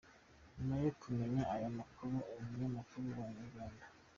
Nyuma yo kumenya aya makuru umunyamakuru wa inyarwanda.